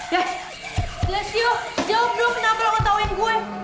glacio jawab dulu kenapa lo mau tauin gue